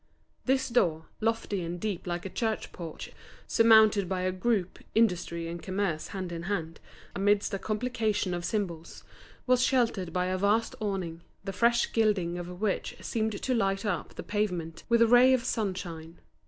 This door, lofty and deep like a church porch, surmounted by a group—Industry and Commerce hand in hand amidst a complication of symbols—was sheltered by a vast awning, the fresh gilding of which seemed to light up the pavement with a ray of sunshine.